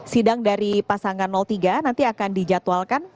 sidang dari pasangan tiga nanti akan dijadwalkan